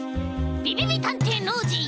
びびびたんていノージー